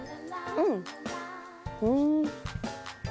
うん。